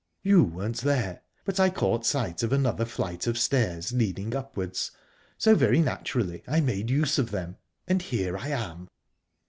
You weren't there, but I caught sight of another flight of stairs leading upwards, so very naturally I made use of them. And here I am."